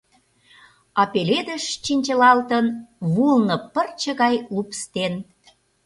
А пеледыш чинчылалтын вулно пырче гай лупс ден.